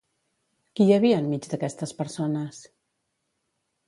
Qui hi havia enmig d'aquestes persones?